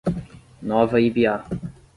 Nova Ibiá